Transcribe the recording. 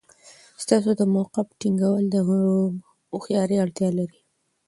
ستاسو د موقف ټینګول د هوښیارۍ اړتیا لري.